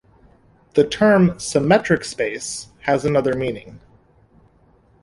The term "symmetric space" has another meaning.